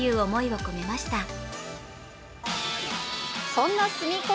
そんなすみっコ